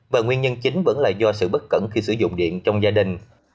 và nguyên nhân chính vẫn là do sự bất cẩn khi sử dụng điện trong gia đình